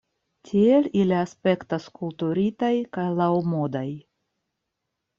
Tiel ili aspektas kulturitaj kaj laŭmodaj.